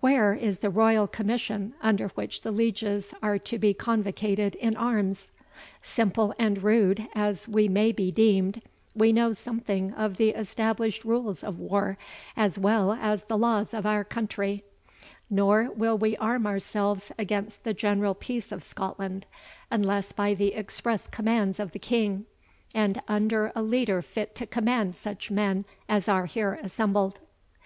Where is the royal commission, under which the lieges are to be convocated in arms? Simple and rude as we may be deemed, we know something of the established rules of war, as well as of the laws of our country; nor will we arm ourselves against the general peace of Scotland, unless by the express commands of the King, and under a leader fit to command such men as are here assembled."